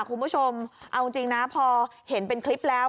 คุณผู้ชมเอาจริงนะพอเห็นเป็นคลิปแล้ว